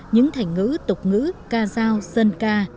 những thành ngữ tục ngữ ca giao dân ca